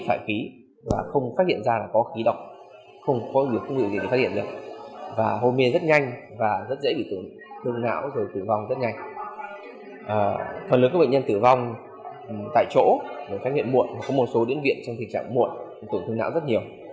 hãy đăng ký kênh để nhận thông tin nhất